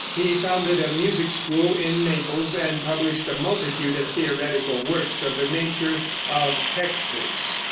He founded a music school in Naples, and published a multitude of theoretical works of the nature of text books.